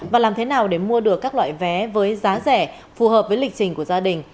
và làm thế nào để mua được các loại vé với giá rẻ phù hợp với lịch trình của gia đình